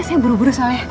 saya buru buru soalnya